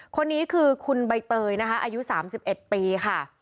คนนี้คือคุณใบเตยนะคะอายุ๓๑ปีค่ะ